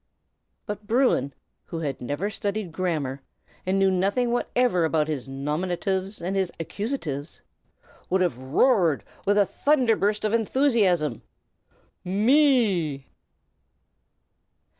But Bruin, who had never studied grammar, and knew nothing whatever about his nominatives and his accusatives, would have roared with a thunder burst of enthusiasm, "ME!!!"